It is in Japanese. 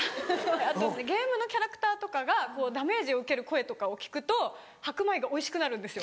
あとゲームのキャラクターとかがダメージを受ける声とかを聞くと白米がおいしくなるんですよ。